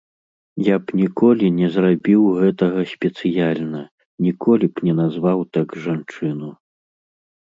Я б ніколі не зрабіў гэтага спецыяльна, ніколі б не назваў так жанчыну.